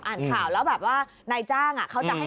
อ่านข่าวแล้วแบบว่านายจ้างเขาจะให้